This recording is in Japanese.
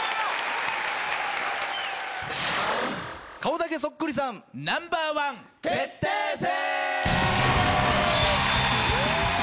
顔だけそっくりさんＮｏ．１決定戦！